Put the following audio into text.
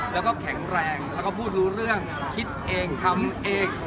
แล้วก็แข็งแรงแล้วก็พูดรู้เรื่องคิดเองทำเอง